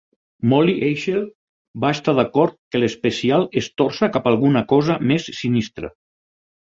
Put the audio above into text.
Molly Eichel va estar d'acord que l'especial es torça cap a alguna cosa més sinistra.